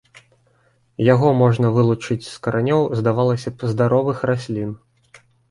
Яго можна вылучыць з каранёў, здавалася б, здаровых раслін.